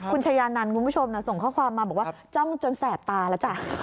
คุณชายานันคุณผู้ชมส่งข้อความมาบอกว่าจ้องจนแสบตาแล้วจ้ะ